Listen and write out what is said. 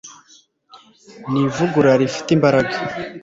Ni vugurura rifite imbaraga